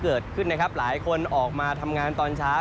เกิดขึ้นนะครับหลายคนออกมาทำงานตอนเช้า